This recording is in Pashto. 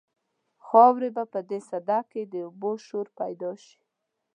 خاورې به په دې سده کې د اوبو شور پیدا شي.